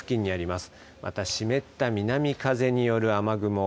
また、湿った南風による雨雲